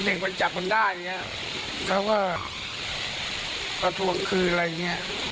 เด็กมันจับมันได้อย่างเงี้ยเขาก็มาทวงคืนอะไรอย่างเงี้ย